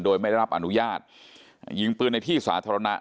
โดยไม่ได้รับอนุญาตยิงปืนในที่สาธารณะ